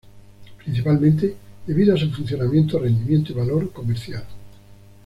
Principalmente debido a su funcionamiento, rendimiento y valor comercial.